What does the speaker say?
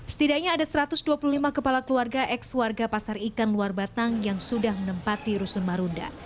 setidaknya ada satu ratus dua puluh lima kepala keluarga ex warga pasar ikan luar batang yang sudah menempati rusun marunda